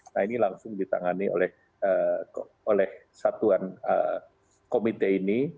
nah ini langsung ditangani oleh satuan komite ini